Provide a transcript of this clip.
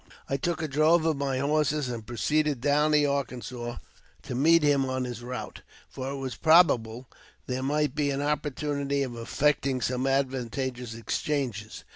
I took a drove of my horses, and proceeded down the Arkansas to meet him on his route ; for it was probable there might be an opportunity of effecting some advantageous exchanges.